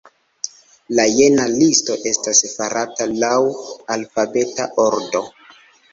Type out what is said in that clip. La jena listo estas farata laŭ alfabeta ordo.